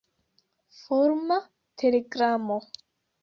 Fulma telegramo.